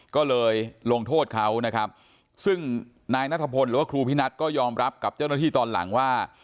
ก็เลยลงโทษเขานะครับซึ่งนายนัทพลหรือว่าครูพินัทก็ยอมรับกับเจ้าหน้าที่ตอนหลังว่า